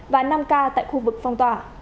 và năm ca tại khu vực phong tỏa